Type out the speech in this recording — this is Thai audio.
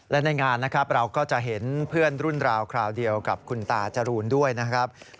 แล้วสภาพติดใจตอนนี้ยังดีไหมครับ